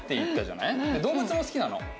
動物も好きなの。